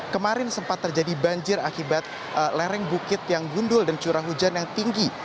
kemarin sempat terjadi banjir akibat lereng bukit yang gundul dan curah hujan yang tinggi